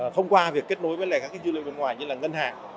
thông qua việc kết nối với các dữ liệu bên ngoài như là ngân hàng